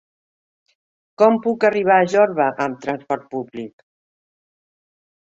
Com puc arribar a Jorba amb trasport públic?